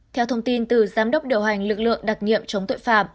theo thông tin từ giám đốc điều hành lực lượng đặc nhiệm chống tội phạm